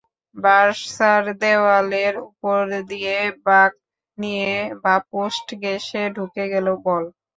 বার্সার দেয়ালের ওপর দিয়ে বাঁক নিয়ে বাঁ পোস্ট ঘেঁষে ঢুকে গেল বল।